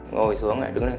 ngồi xuống lại đứng lên